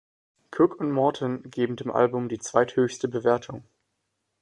Cook und Morton geben dem Album die zweithöchste Bewertung.